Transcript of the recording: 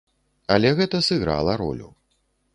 Але гэта сыграла ролю.